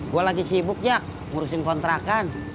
gue lagi sibuk ya ngurusin kontrakan